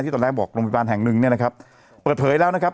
ตอนแรกบอกโรงพยาบาลแห่งหนึ่งเนี่ยนะครับเปิดเผยแล้วนะครับ